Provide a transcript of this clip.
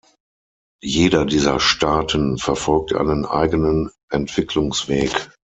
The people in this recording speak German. Jeder dieser Staaten verfolgt einen eigenen Entwicklungsweg.